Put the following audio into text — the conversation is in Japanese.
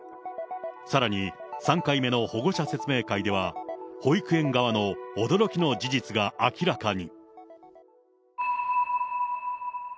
さらに３回目の保護者説明会では、保育園側の驚きの事実が明らかに。